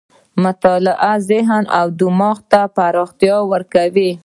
مطالعه ذهن او دماغ ته پراختیا ورکوي.